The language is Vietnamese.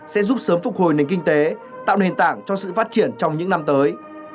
sẽ giúp sớm phục hồi nền kinh tế tạo nền tảng cho sự phát triển trong những năm tới